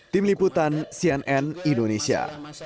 tim liputan cnn indonesia